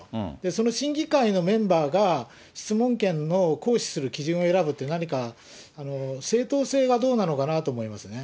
その審議会のメンバーが、質問権の行使する基準を選ぶって、何か、正当性がどうなのかなと思いますね。